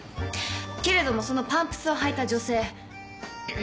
けれどもそのパンプスを履いた女性。